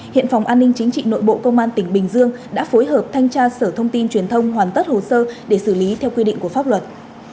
hiện phòng an ninh chính trị nội bộ công an tỉnh bình dương đã phối hợp thanh tra sở thông tin truyền thông hoàn tất hồ sơ để xử lý theo quy định của pháp luật